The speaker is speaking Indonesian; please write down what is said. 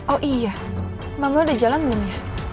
oh iya mama udah jalan belum ya